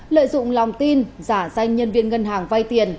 lợi dụng lòng tin giả danh nhân viên ngân hàng vay tiền